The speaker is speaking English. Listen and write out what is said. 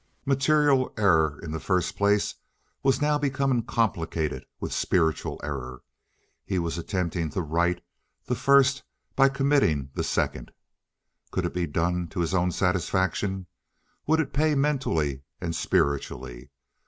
Material error in the first place was now being complicated with spiritual error. He was attempting to right the first by committing the second. Could it be done to his own satisfaction? Would it pay mentally and spiritually?